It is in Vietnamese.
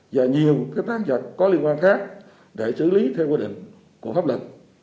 và nhiều tăng vật có liên quan khác để xử lý theo quy định của pháp lực